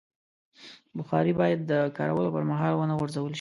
بخاري باید د کارولو پر مهال ونه غورځول شي.